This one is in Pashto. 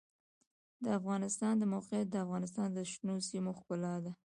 د افغانستان د موقعیت د افغانستان د شنو سیمو ښکلا ده.